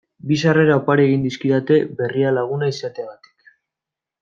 Bi sarrera opari egin dizkidate Berrialaguna izateagatik.